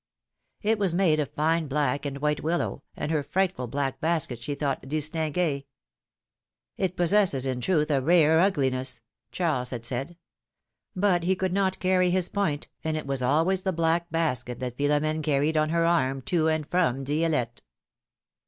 It was made of fine black and white willow, and her frightful black basket she thought distingue, '^It possesses, in truth, a rare ugliness," Charles had philomene's marriages. 173 said. But he could not carry his point, and it was always the black basket that Philom^ne carried on her arm to and from Dielette.